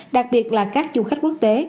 đặc biệt là các du khách quốc tế